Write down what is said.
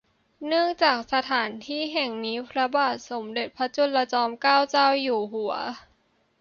เนื่องจากสถานที่แห่งนี้พระบาทสมเด็จพระจุลจอมเกล้าเจ้าอยู่หัว